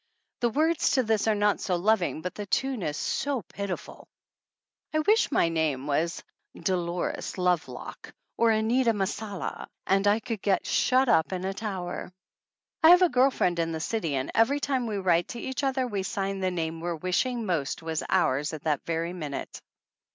The words to this are not so loving, but the tune is so pitiful. I wish my name was Dolores Lovelock, or Anita Messala, and I could get shut up in a tower. I have a girl friend in the city and every time we write to each other we sign the name we're wishing most was ours at that very minute.